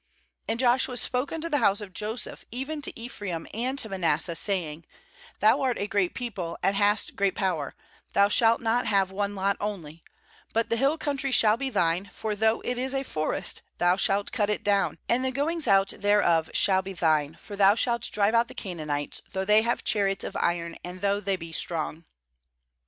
17And Joshua spoke unto the house of Joseph, even to Ephraim and to Manasseh, saying 'Thou art a great people, and hast great power; thou shalt not have one lot only; 18but the hill country shall be thine; for though it is a forest, thou shalt cut it down, and the goings out thereof shall be thine; for thou shalt drive out the Canaanites, though the; have chariots of iron, and thoug] they be strong.'